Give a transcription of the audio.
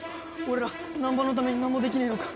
俺ら難破のために何もできねえのか。